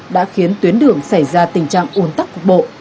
đã khiến tuyến đường xảy ra tình trạng ủn thắc cục bộ